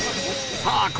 さあ